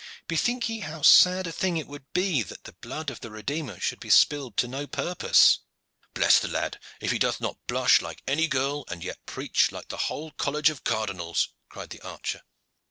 Bethink ye how sad a thing it would be that the blood of the Redeemer should be spilled to no purpose." "Bless the lad, if he doth not blush like any girl, and yet preach like the whole College of Cardinals," cried the archer.